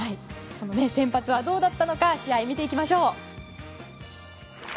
その先発はどうだったのか試合を見ていきましょう。